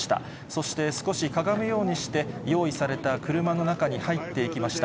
そして少しかがむようにして、用意された車の中に入っていきました。